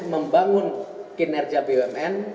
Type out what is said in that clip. membangun kinerja bumn